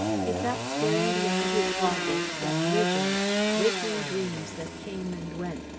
He sat staring beyond his law books at visions, waking dreams that came and went.